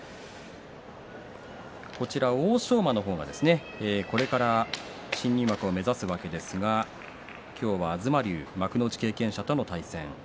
欧勝馬の方はこれから新入幕を目指すわけですが今日は東龍、幕内経験者との対戦。